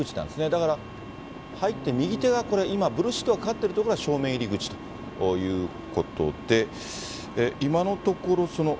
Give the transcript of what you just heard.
だから、入って右手が今、ブルーシートがかかってる所が正面入り口ということで、今のところ。